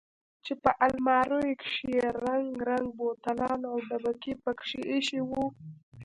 چې په الماريو کښې يې رنګ رنګ بوتلان او ډبکې پکښې ايښي وو.